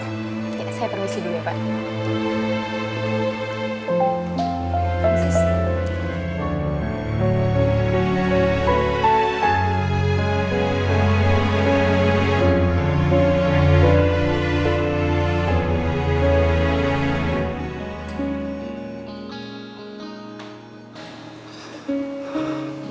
saya permisi dulu ya pak